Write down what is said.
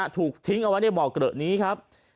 ถูกทิ้งเอาไว้ในบ่อเกลอะนี้ครับ